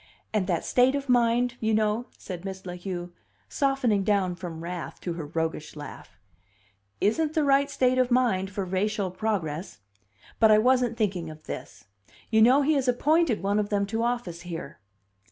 And that state of mind, you know," said Miss La Heu, softening down from wrath to her roguish laugh, "isn't the right state of mind for racial progress! But I wasn't thinking of this. You know he has appointed one of them to office here."